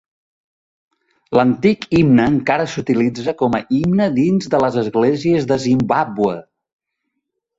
L'antic himne encara s'utilitza com a himne dins de les esglésies de Zimbabwe.